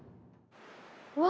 うわ！